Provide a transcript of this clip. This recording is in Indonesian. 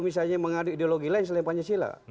misalnya mengaduk ideologi lain selain pancasila